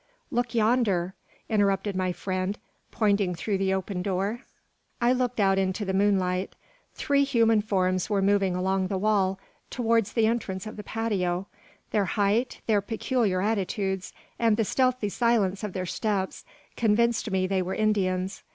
look yonder!" interrupted my friend, pointing through the open door. I looked out into the moonlight. Three human forms were moving along the wall, towards the entrance of the patio. Their height, their peculiar attitudes, and the stealthy silence of their steps, convinced me they were Indians.